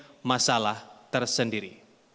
jadi masalah tersendiri